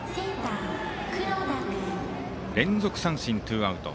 連続三振、ツーアウト。